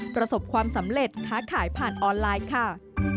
ประสบความสำเร็จค้าขายผ่านออนไลน์ค่ะ